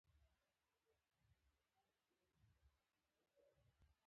پاکستانیان په نړۍ کې تر ټولو ډیر دروغجن، سپک او دوکه ورکونکي خلک دي.